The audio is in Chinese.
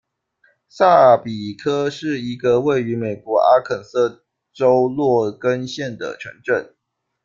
萨比科是一个位于美国阿肯色州洛根县的城镇。